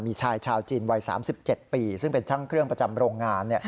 มีชายชาวจีนวัย๓๗ปีซึ่งเป็นช่างเครื่องประจำโรงงาน